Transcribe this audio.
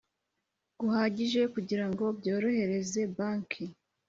Guhagije kugira ngo byorohereze banki